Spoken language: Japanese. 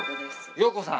陽子さん。